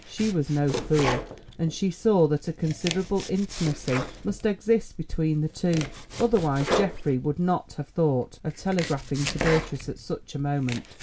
She was no fool, and she saw that a considerable intimacy must exist between the two. Otherwise Geoffrey would not have thought of telegraphing to Beatrice at such a moment.